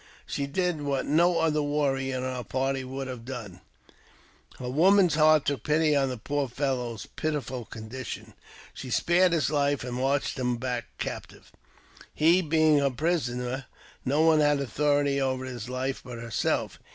She did what no other warrior in our party would have done — her woman's heart took pity on the poor fellow's pitiable condition — she spared his life, and marched him back captive. He being her prisoner, no one had authority over his life but herself.